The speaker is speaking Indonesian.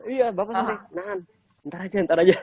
iya bapak sampai nahan ntar aja